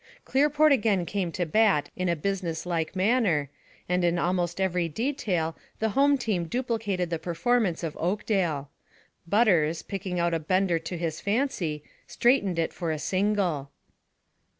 Clearport again came to bat in a business like manner, and in almost every detail the home team duplicated the performance of Oakdale. Butters, picking out a bender to his fancy, straightened it for a single.